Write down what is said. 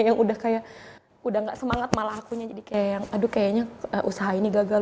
yang udah kayak udah gak semangat malah akunya jadi kayak yang aduh kayaknya usaha ini gagal